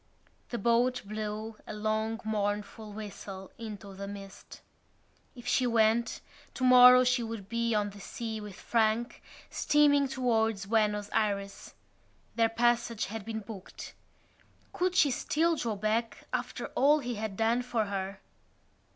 The boat blew a long mournful whistle into the mist. If she went, tomorrow she would be on the sea with Frank, steaming towards Buenos Ayres. Their passage had been booked. Could she still draw back after all he had done for her?